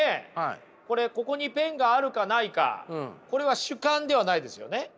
これここにペンがあるかないかこれは主観ではないですよね。